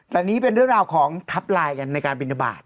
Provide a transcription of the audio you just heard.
แต่นี่เป็นเรื่องราวของทับไลน์กันในการบินทบาท